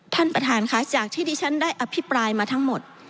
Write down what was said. ท่านประธานค่ะจากที่ที่ฉันได้อภิปรายมาทั้งหมด